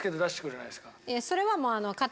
いやそれはもう。